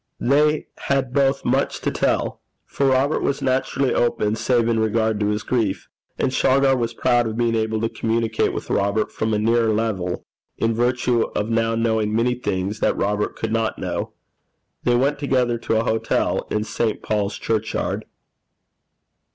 They had both much to tell; for Robert was naturally open save in regard to his grief; and Shargar was proud of being able to communicate with Robert from a nearer level, in virtue of now knowing many things that Robert could not know. They went together to a hotel in St. Paul's Churchyard.